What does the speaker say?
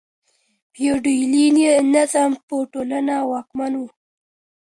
فیوډالي نظام په ټولنه واکمن و.